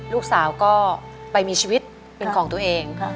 ลูกสาวก็ไปมีชีวิตเป็นของตัวเอง